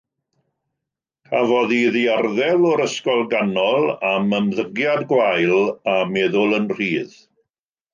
Cafodd ei ddiarddel o'r ysgol ganol am ymddygiad gwael a meddwl yn rhydd.